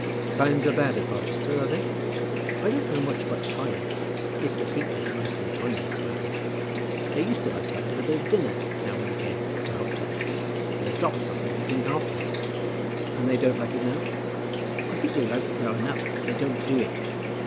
"Times are bad at Barchester, are they?" "I don't know much about the times. It's the people is worse than the times, I think. They used to like to have a little bit of dinner now and again at a hotel; and a drop of something to drink after it." "And don't they like it now?" "I think they like it well enough, but they don't do it.